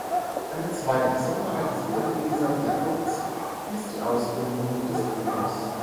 Eine zweite Besonderheit des Langwieser Viadukts ist die Ausbildung des Bogens.